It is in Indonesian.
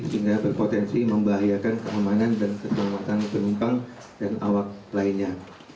hingga berpotensi membahayakan keamanan dan keselamatan penumpang dan awak lainnya